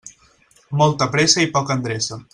Molta pressa i poca endreça.